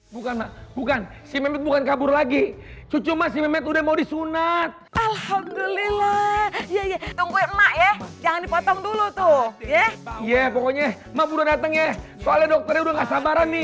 bukan bukan bukan kabur lagi